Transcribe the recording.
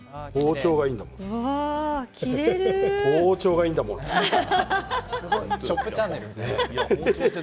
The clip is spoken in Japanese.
包丁がいいんだもん、だって。